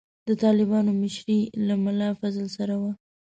د طالبانو مشري له ملا فاضل سره وه.